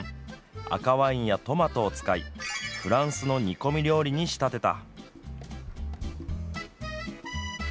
赤ワインやトマトを使いフランスの煮込み料理に仕立てた。